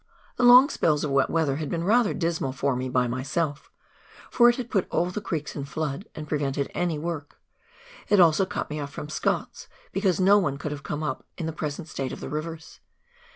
The long spells of wet weather had been rather dismal for me by myself, for it had put all the creeks in flood and prevented any work. It also cut me ofi" from Scott's, because no one could have come up in the present state of the rivers.